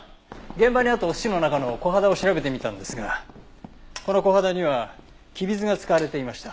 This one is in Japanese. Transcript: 現場にあったお寿司の中のコハダを調べてみたんですがこのコハダにはきび酢が使われていました。